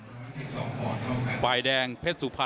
นักมวยจอมคำหวังเว่เลยนะครับ